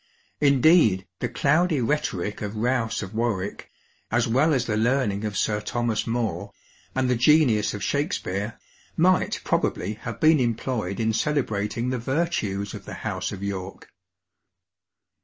Indeed, the cloudy rhetoric of Rous of Warwick, as well as the learning of Sir Thomas More, and the genius of Shakspeare, might probably have been employed in celebrating the virtues of the House of York.